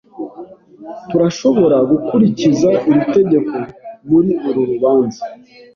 Turashobora gukurikiza iri tegeko muri uru rubanza?